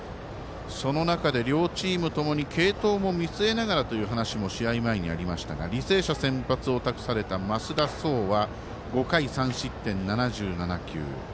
その中で両チームともに継投を見据えながらという話も試合前にありましたが履正社、先発を任された増田壮は５回３失点、７７球。